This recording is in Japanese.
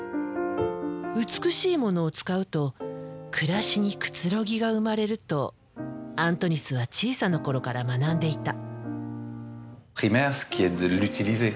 美しいものを使うと暮らしにくつろぎが生まれるとアントニスは小さな頃から学んでいた。